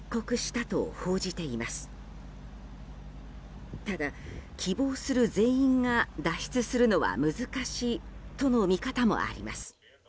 ただ、希望する全員が脱出するのは難しいとの見方もあります。